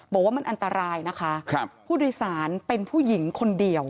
บอกว่ามันอันตรายนะคะครับผู้โดยสารเป็นผู้หญิงคนเดียว